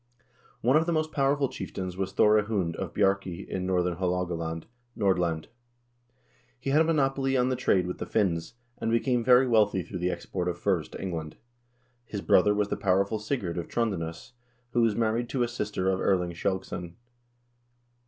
One of the most powerful chieftains was Thore Hund of Bjarkey in northern Ilaalogaland (Nordland). He had a monopoly on the trade with the Finns, and became very wealthy through the export of furs to England. His brother was the powerful Sigurd of Trondanes, who was married to a sister of Erling Skjalgsson.